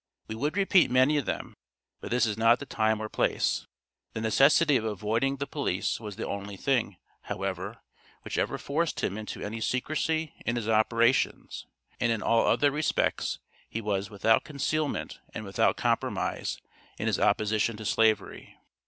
We would repeat many of them, but this is not the time or place. The necessity of avoiding the police was the only thing, however, which ever forced him into any secrecy in his operations, and in all other respects he was "without concealment and without compromise" in his opposition to Slavery.